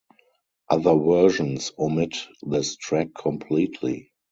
Other versions omit this track completely.